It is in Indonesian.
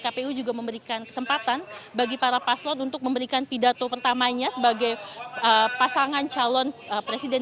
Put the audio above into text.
kpu juga memberikan kesempatan bagi para paslon untuk memberikan pidato pertamanya sebagai pasangan calon presiden